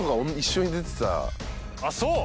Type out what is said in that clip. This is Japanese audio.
あっそう？